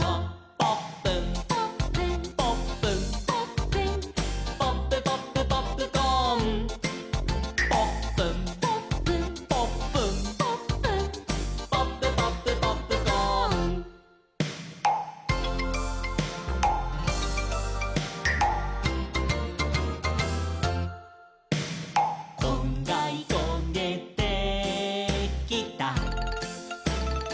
「ポップン」「ポップン」「ポップン」「ポップン」「ポップポップポップコーン」「ポップン」「ポップン」「ポップン」「ポップン」「ポップポップポップコーン」「こんがりこげてきた」